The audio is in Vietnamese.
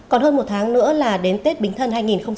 còn hơn một tháng nữa là đến tết bình thân hai nghìn một mươi sáu